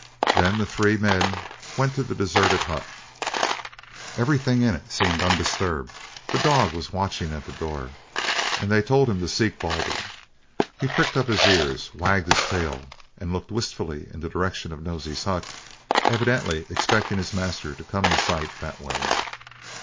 Then the three men went to the deserted hut. Everything in it seemed undisturbed. The dog was watching at the door, and they told him to seek Baldy. He pricked up his ears, wagged his tail, and looked wistfully in the direction of Nosey's hut, evidently expecting his master to come in sight that way.